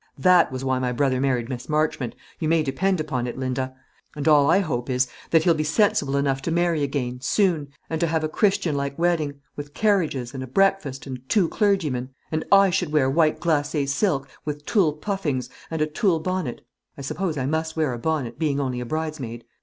That was why my brother married Miss Marchmont, you may depend upon it, Linda; and all I hope is, that he'll be sensible enough to marry again soon, and to have a Christianlike wedding, with carriages, and a breakfast, and two clergymen; and I should wear white glacé silk, with tulle puffings, and a tulle bonnet (I suppose I must wear a bonnet, being only a bridesmaid?)